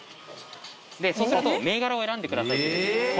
でそうすると「銘柄を選んでください」って。